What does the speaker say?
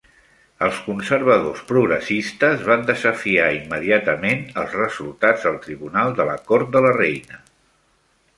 Els conservadors progressistes van desafiar immediatament els resultats al Tribunal de la Cort de la Reina.